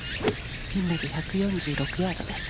ピンまで１４６ヤードです。